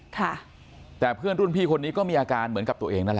ค่ะแต่เพื่อนรุ่นพี่คนนี้ก็มีอาการเหมือนกับตัวเองนั่นแหละ